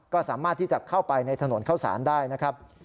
ก็สามารถที่จะเข้าไปในถนนเข้าสารได้นะครับ